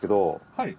はい。